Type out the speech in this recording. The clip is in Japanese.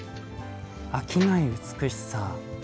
飽きない美しさ。